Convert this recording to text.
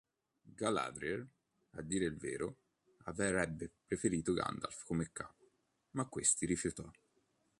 Galadriel, a dire il vero, avrebbe preferito Gandalf come capo, ma questi rifiutò.